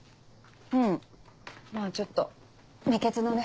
うんまぁちょっと未決のね。